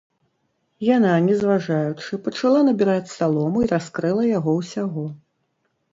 Яна, не зважаючы, пачала набіраць салому і раскрыла яго ўсяго.